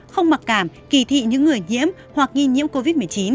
không mặc cảm kỳ thị những người nhiễm hoặc nghi nhiễm covid một mươi chín